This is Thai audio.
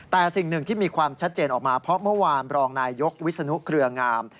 แต่สิ่งหนึ่งที่มีความชัดเจนออกมาเพราะเมื่อวานรองนายยกวิศนุเครืองาม